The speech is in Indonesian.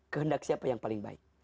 kehendak siapa yang paling baik